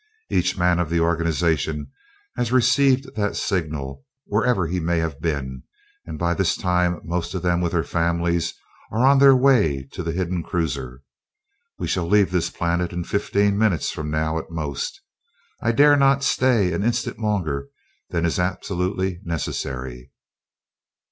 Each man of the organization has received that signal, wherever he may have been, and by this time most of them, with their families, are on the way to the hidden cruiser. We shall leave this planet in fifteen minutes from now at most I dare not stay an instant longer than is absolutely necessary."